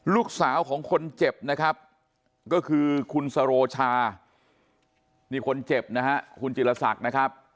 ลูกสาวของคนเจ็บนะครับก็คือคุณสโรชานี่คนเจ็บนะฮะคุณจิลศักดิ์นะครับ